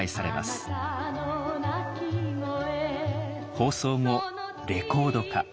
放送後レコード化。